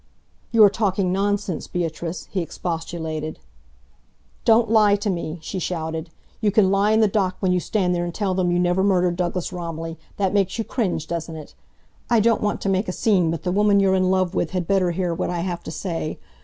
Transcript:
"You are talking nonsense, Beatrice," he expostulated. "Don't lie to me!" she shouted. "You can lie in the dock when you stand there and tell them you never murdered Douglas Romilly! That makes you cringe, doesn't it? I don't want to make a scene, but the woman you're in love with had better hear what I have to say.